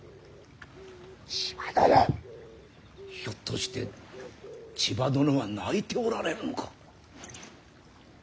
ひょっとして千葉殿は泣いておられるのか。